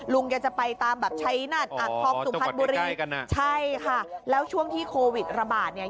ลุงแกจะไปตามแบบชัยนัดอ่างทองสุพรรณบุรีใช่ค่ะแล้วช่วงที่โควิดระบาดเนี่ย